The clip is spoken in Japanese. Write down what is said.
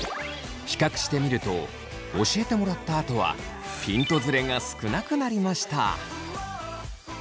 比較してみると教えてもらったあとはピントズレが少なくなりました。